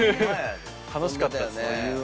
楽しかったですね。